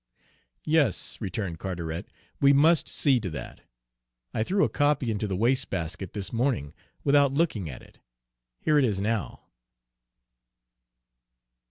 "Yes," returned Carteret, "we must see to that. I threw a copy into the waste basket this morning, without looking at it. Here it is now!"